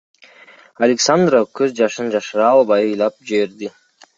Александра көз жашын жашыра албай ыйлап жиберди.